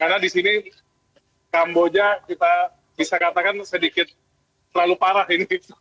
karena di sini kamboja kita bisa katakan sedikit terlalu parah ini